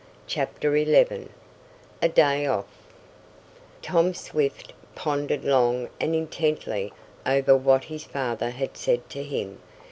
CHAPTER XI A DAY OFF Tom Swift pondered long and intently over what his father had said to him.